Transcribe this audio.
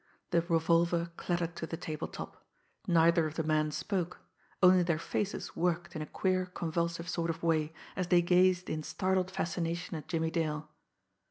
The revolver clattered to the table top. Neither of the men spoke only their faces worked in a queer, convulsive sort of way, as they gazed in startled fascination at Jimmie Dale.